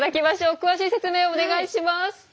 詳しい説明お願いします。